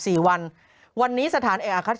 โหยวายโหยวายโหยวายโหยวาย